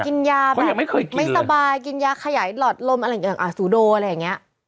กินยาแบบไม่สบายกินยาขยายหลอดลมอะไรอย่างสูโดอะไรอย่างนี้